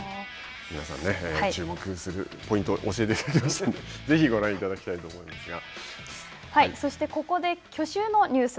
皆さん注目するポイント、教えていただきましたので、ぜひご覧いただきたいと思いますが。